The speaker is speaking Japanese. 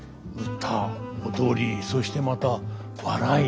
歌踊りそしてまた笑い。